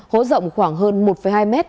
hố rộng khoảng hơn một hai m